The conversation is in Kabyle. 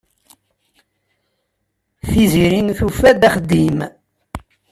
Tiziri tufa-d axeddim.